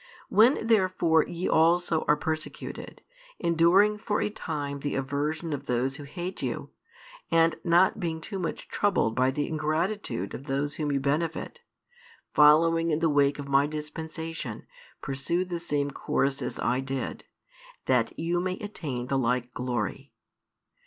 When therefore ye also are persecuted, enduring for a time the aversion of those who hate you, and not being too much troubled by the ingratitude of those whom you benefit, following in the wake of My dispensation pursue the same course as I did, that you may attain the like glory.